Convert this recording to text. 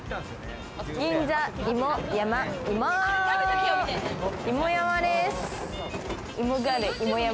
銀座芋山。